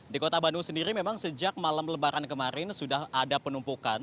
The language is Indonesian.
di kota bandung sendiri memang sejak malam lebaran kemarin sudah ada penumpukan